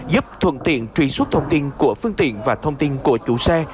giúp thuận tiện truy xuất thông tin của phương tiện và thông tin của chủ xe